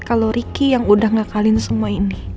kalau ricky yang udah ngakalin semua ini